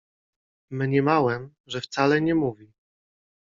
Mniemałem, że wcale nie mówi.